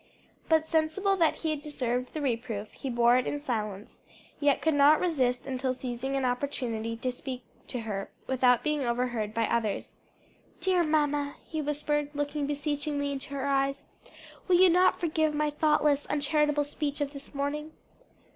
But sensible that he had deserved the reproof, he bore it in silence; yet could not rest until seizing an opportunity to speak to her without being overheard by others, "Dear mamma," he whispered, looking beseechingly into her eyes, "will you not forgive my thoughtless, uncharitable speech of this morning?"